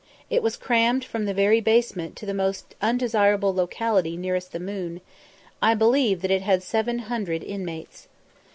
It was crammed from the very basement to the most undesirable locality nearest the moon; I believe it had seven hundred inmates.